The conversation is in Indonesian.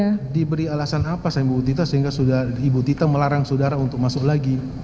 ya diberi alasan apa ibu tita sehingga ibu tita melarang saudara untuk masuk lagi